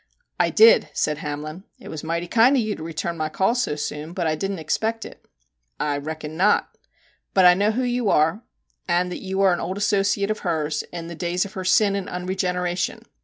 *I did,' said Hamlin. 'It was mighty kind of you to return my call so soon, but I didn't expect it.' ' I reckon not. But I know who you are, and that you are an old associate of hers, in the days of her sin and unregeneration.